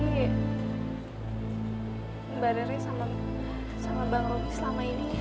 mbak rere sama bang robi selama ini